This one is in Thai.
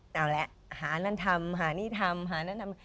เอาละหานั่นทำหานี่ทำหานั่นทำ